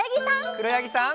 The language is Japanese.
くろやぎさん。